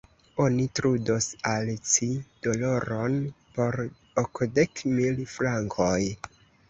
Oni trudos al ci doloron por okdek mil frankoj.